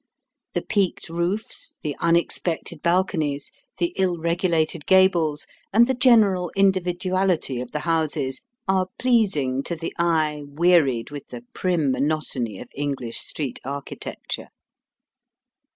The peaked roofs, the unexpected balconies, the ill regulated gables, and the general individuality of the houses are pleasing to the eye wearied with the prim monotony of English street architecture.